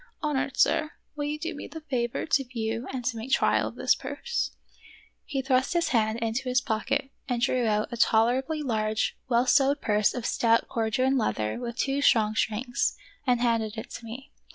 " Honored sir, will you do me the favor to view and to make trial of this purse " He thrust his hand into his pocket and drew out a tolerably large, well sewed purse of stout Corduan leather with two strong strings, and handed it to me.